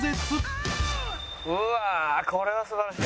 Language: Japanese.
うわこれは素晴らしい。